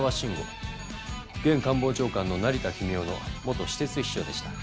現官房長官の成田公雄の元私設秘書でした。